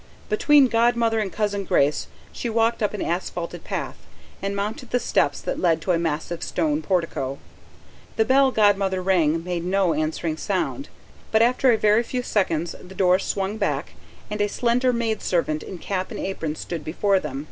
Between Godmother and Cousin Grace she walked up an asphalted path, and mounted the steps that led to a massive stone portico. The bell Godmother rang made no answering sound, but after a very few seconds the door swung back, and a slender maidservant in cap and apron stood before them.